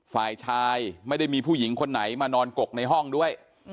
ฝ่ายชายไม่ได้มีผู้หญิงคนไหนมานอนกกในห้องด้วย